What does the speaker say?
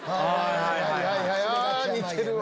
似てるわ！